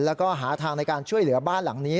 แล้วก็หาทางในการช่วยเหลือบ้านหลังนี้